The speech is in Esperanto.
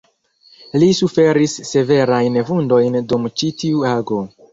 Li suferis severajn vundojn dum ĉi tiu ago.